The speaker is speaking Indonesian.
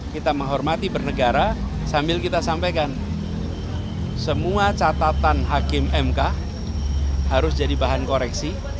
kita menghormati bernegara sambil kita sampaikan semua catatan hakim mk harus jadi bahan koreksi